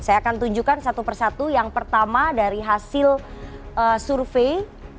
saya akan tunjukkan satu persatu yang pertama dari hasil survei